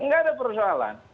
gak ada persoalan